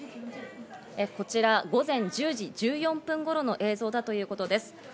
こちら午前１０時１４分頃の映像だということです。